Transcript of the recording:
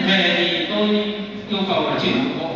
thế nhận về thì tôi yêu cầu là chuyển một bộ